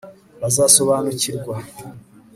bazasobanukirwa